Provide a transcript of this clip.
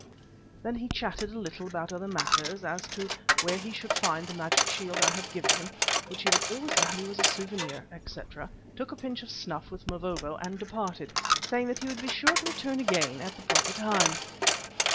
Then he chatted a little about other matters, as to where he should find the magic shield I had given him, which he would always value as a souvenir, etc., took a pinch of snuff with Mavovo and departed, saying that he would be sure to return again at the proper time.